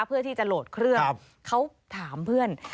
เพื่อที่จะโหลดเครื่องเขาถามเพื่อน